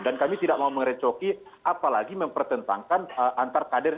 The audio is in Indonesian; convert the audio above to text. dan kami tidak mau mengerincoki apalagi mempertentangkan antar kader